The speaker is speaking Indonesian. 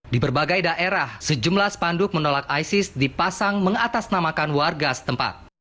di berbagai daerah sejumlah spanduk menolak isis dipasang mengatasnamakan warga setempat